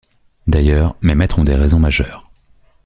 D’ailleurs, mes maîtres ont des raisons majeures.